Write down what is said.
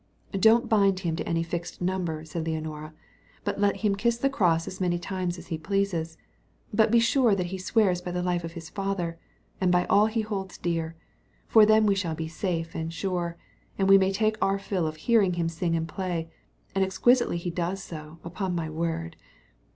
"Don't bind him to any fixed number," said Leonora; "but let him kiss the cross as many times as he pleases; but be sure that he swears by the life of his father, and by all he holds dear; for then we shall be safe and sure, and we may take our fill of hearing him sing and play; and exquisitely he does so, upon my word.